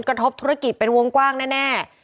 กระทบธุรกิจเป็นวงกว้างแน่